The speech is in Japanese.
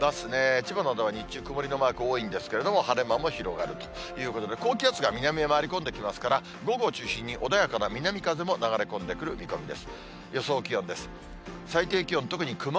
千葉などでは日中曇りのマーク多いんですけれども、晴れ間も広がるということで、高気圧が南へ回り込んできますから、午後を中心に穏やかな南風も流れ込んでくる見込みです。